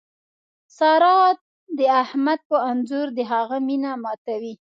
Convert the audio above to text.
سارا د احمد په انځور د هغه مینه ماتوي.